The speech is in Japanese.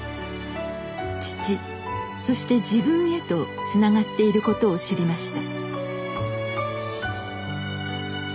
父そして自分へとつながっていることを知りました。